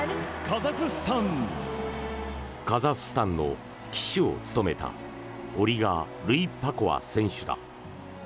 カザフスタンの旗手を務めたオリガ・ルイパコワ選手だ。